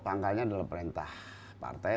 yang saya inginkan adalah perintah partai